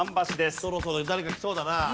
そろそろ誰かきそうだな。